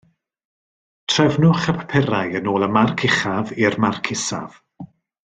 Trefnwch y papurau yn ôl y marc uchaf i'r marc isaf